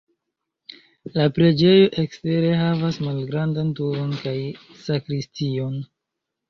La preĝejo ekstere havas malgrandan turon kaj sakristion.